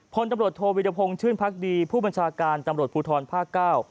พลตำรวจโทวิรพงศ์ชื่นพักดีผู้บัญชาการตำรวจภูทรภาคเก้า